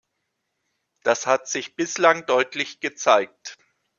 Das hat sich bislang deutlich gezeigt.